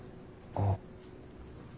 ああ。